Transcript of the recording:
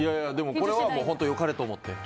これは本当に良かれと思って。